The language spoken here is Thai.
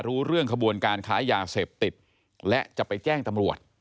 อืม